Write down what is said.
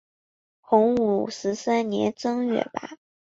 洪武十三年正月罢。